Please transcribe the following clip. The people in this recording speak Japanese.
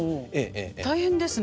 大変ですね。